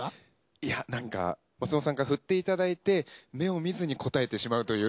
いやなんか松本さんから振っていただいて目を見ずに答えてしまうという。